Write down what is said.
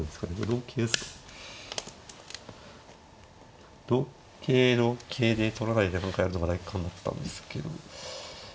同桂同桂で取らないで何かやるのがないか思ってたんですけど。